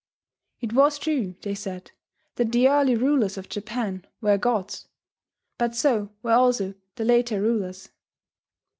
It was true, they said, that the early rulers of Japan were gods; but so were also the later rulers.